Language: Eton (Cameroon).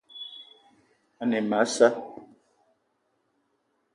Ane e ma a sa'a